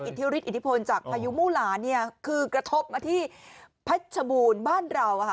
อิทธิวฤษอิทธิพลจากพายุมูลานี้คือกระทบมาที่เพชรชมูลบ้านเราค่ะ